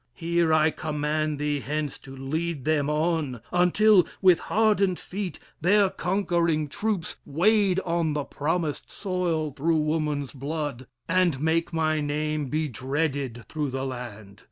Here I command thee hence to lead them on, Until, with hardened feet, their conquering troops Wade on the promised soil through woman's blood, And make my name be dreaded through the land.